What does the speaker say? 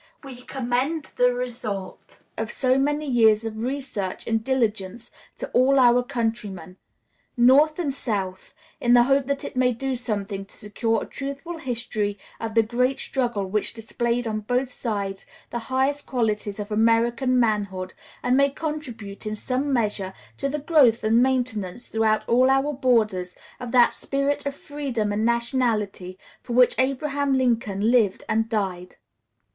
We commend the result of so many years of research and diligence to all our countrymen, North and South, in the hope that it may do something to secure a truthful history of the great struggle which displayed on both sides the highest qualities of American manhood, and may contribute in some measure to the growth and maintenance throughout all our borders of that spirit of freedom and nationality for which Abraham Lincoln lived and died.